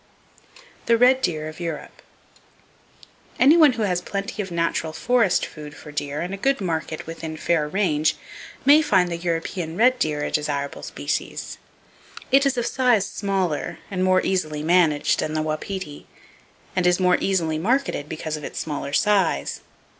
[Page 372] The Red Deer of Europe.—Anyone who has plenty of natural forest food for deer and a good market within fair range, may find the European red deer a desirable species. It is of size smaller, and more easily managed, than the wapiti; and is more easily marketed because of its smaller size.